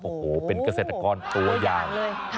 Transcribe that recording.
โอ้โหเป็นเกษตรกรตัวอย่างเลย